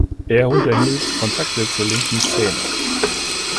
Er unterhielt Kontakte zur linken Szene.